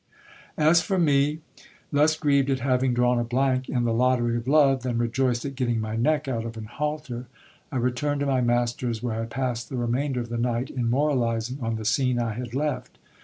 As for me, less grieved at having drawn a blank in the lottery of love, than rejoiced at getting my neck out of an halter, I returned to my master's, where I passed the remainder of the night in moralizing on the scene I had left.